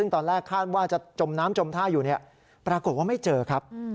ตอนแรกคาดว่าจะจมน้ำจมท่าอยู่ปรากฏว่าไม่เจอครับ